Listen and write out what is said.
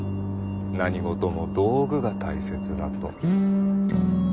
何事も道具が大切だと。